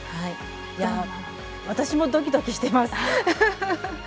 私もドキドキしてます。